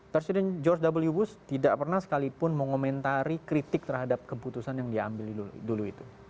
presiden george w bush tidak pernah sekalipun mengomentari kritik terhadap keputusan yang diambil dulu itu